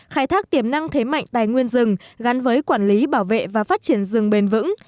khai thác tiềm năng thế mạnh tài nguyên rừng gắn với quản lý bảo vệ và phát triển rừng bền vững